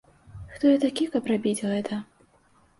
Хто я такі, каб рабіць гэта?